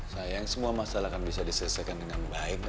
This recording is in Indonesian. sayang semua masalah akan bisa diselesaikan dengan baik